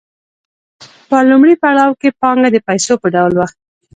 په لومړي پړاو کې پانګه د پیسو په ډول وه